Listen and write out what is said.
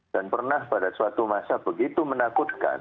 dan pernah pada suatu masa begitu menakutkan